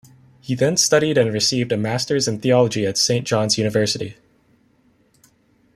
He then studied and received a masters in theology at Saint John's University.